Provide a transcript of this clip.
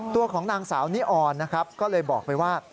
ตัวของนางสาวนิออนนะครับก็เลยบอกไปว่า